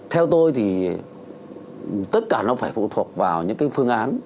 theo tôi thì tất cả nó phải phụ thuộc vào những cái phương án